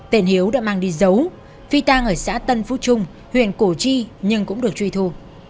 tên hiếu đã mang đi dấu phi tang ở xã tân phú trung huyện cổ chi nhưng cũng được truy thu